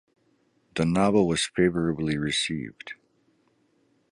The novel was favorably received.